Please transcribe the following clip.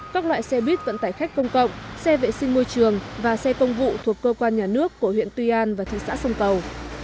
các loại xe buýt vận tải khách công cộng xe vệ sinh môi trường và xe công vụ thuộc cơ quan nhà nước của huyện tuy an và thị xã sông cầu